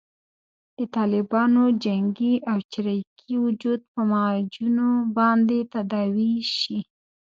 د طالبانو جنګي او چریکي وجود په معجونو باندې تداوي شي.